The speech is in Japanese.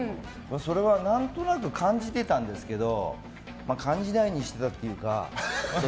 それは何となく感じてたんですけど感じないようにしてたというか。